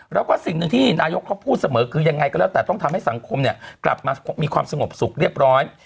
แล้วก็สิ่งหนึ่งที่นายกเขาพูดเสมอคือยังไงก็แล้วแต่ต้องทำให้สังคมเนี่ยกลับมามีความสงบสุขเรียบร้อย